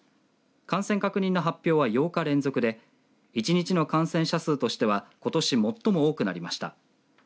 感染確認の発表は８日連続で１日の感染者数としてはことし最も多くなりました。